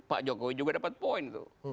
pak jokowi juga dapat poin tuh